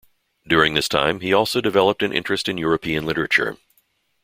During this time, he also developed an interest in European literature.